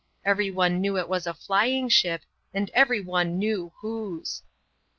Everyone knew it was a flying ship, and everyone knew whose.